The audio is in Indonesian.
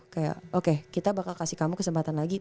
kayak oke kita bakal kasih kamu kesempatan lagi